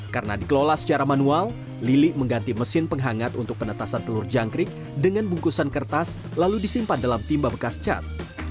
karena dikelola secara manual lili mengganti mesin penghangat untuk penetasan telur jangkrik dengan bungkusan kertas lalu disimpan dalam timba bekas cat